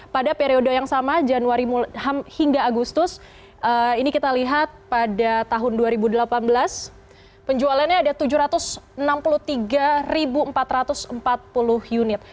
pada periode yang sama januari hingga agustus ini kita lihat pada tahun dua ribu delapan belas penjualannya ada tujuh ratus enam puluh tiga empat ratus empat puluh unit